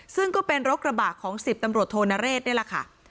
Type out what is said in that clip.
ซึ่งก็เป็นรถกระบะของ๑๐ตำรวจโทนเรศนี่แหละค่ะ